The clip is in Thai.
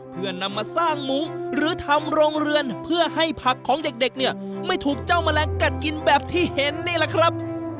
เพื่อนำมาสร้างมุ้งหรือทำโรงเรือนเพื่อให้ผักของเด็กเนี่ยไม่ถูกเจ้าแมลงกัดกินแบบที่เห็นนี่แหละครับ